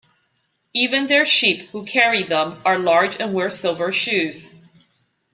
Even their sheep, who carry them, are large and wear silver shoes.